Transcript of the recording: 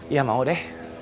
iya mau deh